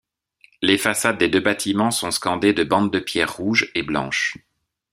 Les façades des deux bâtiments sont scandées de bandes de pierre rouges et blanches.